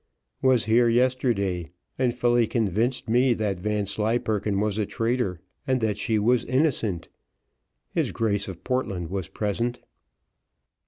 "Was here yesterday, and fully convinced me that Vanslyperken was a traitor, and that she was innocent. His Grace of Portland was present."